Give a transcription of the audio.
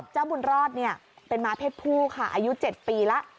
บุญรอดเป็นม้าเพศผู้ค่ะอายุ๗ปีแล้ว